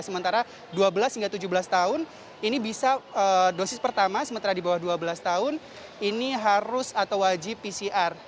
sementara dua belas hingga tujuh belas tahun ini bisa dosis pertama sementara di bawah dua belas tahun ini harus atau wajib pcr